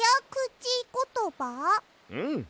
うん。